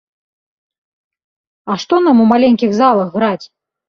А што нам у маленькіх залах граць!?